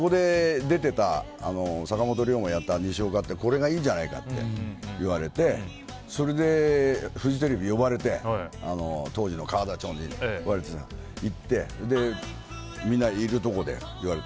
そこに出てた坂本龍馬をやった西岡がいいかといわれてそれでフジテレビに呼ばれて当時の川田町に行ってみんながいるところで言われて。